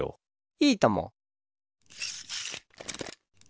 いいとも。